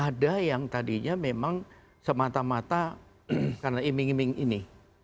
ada yang tadinya memang semata mata karena iming iming ini